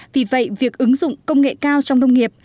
vì vậy việc ứng dụng công nghệ cao trong nông nghiệp